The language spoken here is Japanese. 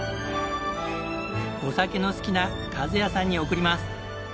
お酒の好きな一也さんに贈ります！